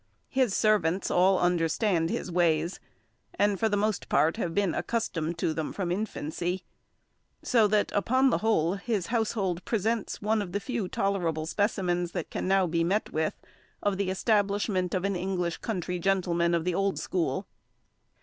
His servants all understand his ways, and, for the most part, have been accustomed to them from infancy; so that, upon the whole, his household presents one of the few tolerable specimens that can now be met with, of the establishment of an English country gentleman of the old school.